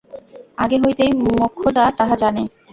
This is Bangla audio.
আগে হইতেই মোক্ষদা তাহা জানে।